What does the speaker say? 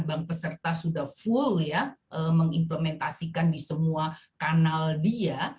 bank peserta sudah full ya mengimplementasikan di semua kanal dia